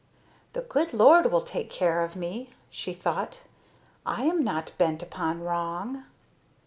"The good Lord will take care of me," she thought, "I am not bent upon wrong."